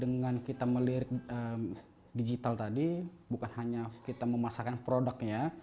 dengan kita melirik digital tadi bukan hanya kita memasarkan produknya